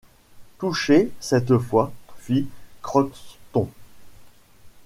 Touchés, cette fois ! fit Crockston.